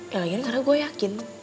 ya lagian karena gue yakin